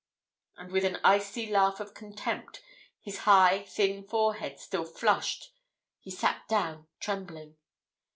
And with an icy laugh of contempt, his high, thin forehead still flushed, he sat down trembling.